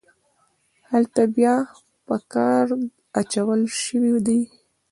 هلته بیا په کار اچول شوي دي.